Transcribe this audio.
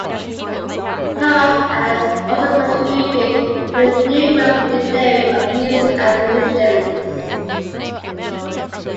Powell has also contributed to "The New Grove Dictionary of Music and Musicians".